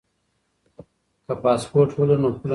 که پاسپورټ ولرو نو پوله نه بندیږي.